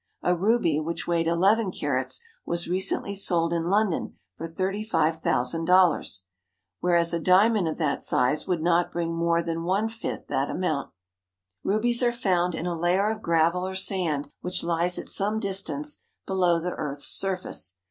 A ruby which weighed eleven carats was recently sold. in London for thirty five 230 INDUSTRIAL BURMA. RICE thousand dollars ; whereas a diamond of that size would not bring more than one fifth that amount. Rubies are found in a layer of gravel or sand which lies at some distance below the earth's surface.